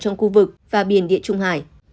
trong khu vực và biển địa trung hải